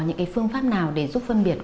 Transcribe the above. những phương pháp nào để giúp phân biệt